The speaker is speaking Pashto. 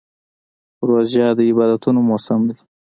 روژه د عبادتونو موسم دی.